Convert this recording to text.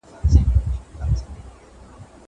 زه اوس بوټونه پاکوم!!